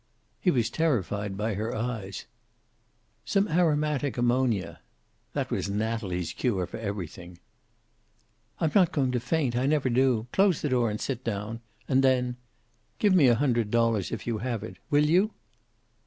He was terrified by her eyes. "Some aromatic ammonia." That was Natalie's cure for everything. "I'm not going to faint. I never do. Close the door and sit down. And then give me a hundred dollars, if you have it. Will you?"